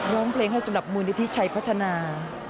ร้องเพลงให้สำหรับมูลนิธิชัยพัฒนา